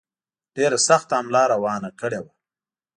ډېره سخته حمله روانه کړې وه.